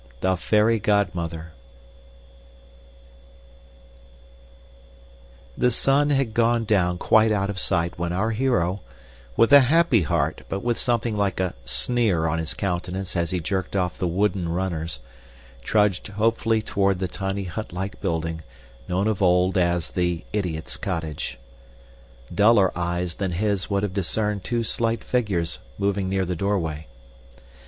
The Fairy Godmother The sun had gone down quite out of sight when our hero with a happy heart but with something like a sneer on his countenance as he jerked off the wooden "runners" trudged hopefully toward the tiny hutlike building, known of old as the "idiot's cottage." Duller eyes than his would have discerned two slight figures moving near the doorway.